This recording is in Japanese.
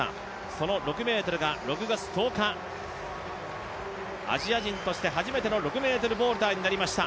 その６ｍが６月１０日、アジア人として初めての６ｍボールターになりました。